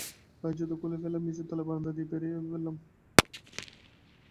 পায়ের জুতো খুলে ফেলে নীচের তলায় বারান্দা বেয়ে ধীরে ধীরে চলতে লাগল।